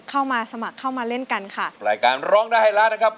เอาล่ะมาถึงด้านล่างค่ะทั้ง๕ท่านค่ะ